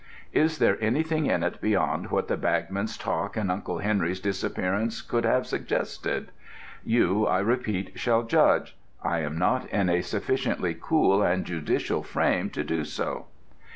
Is there anything in it beyond what the bagman's talk and Uncle Henry's disappearance could have suggested? You, I repeat, shall judge: I am not in a sufficiently cool and judicial frame to do so.